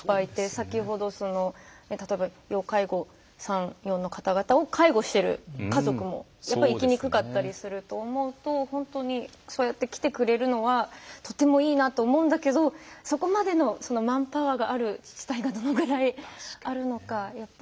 先程、例えば要介護３４の方々を介護している家族も、やっぱり行きにくかったりしていると思うと本当にそうやって来てくれるのはとてもいいなと思うんだけどそこまでのマンパワーがある自治体がどのぐらいあるのか。